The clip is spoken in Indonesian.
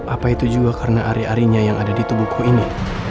apa itu juga karena ari arinya yang ada di tubuhku ini